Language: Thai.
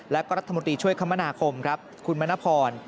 และก็รัฐมนตรีช่วยคมนาคมครับคุณมณพร